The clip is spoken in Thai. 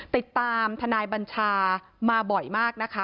ติดตามทนายบัญชามาบ่อยมากนะคะ